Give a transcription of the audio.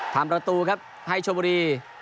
ทำประตูครับให้ชมบุรี